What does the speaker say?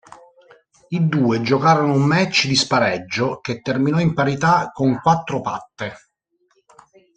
I due giocarono un match di spareggio, che terminò in parità con quattro patte.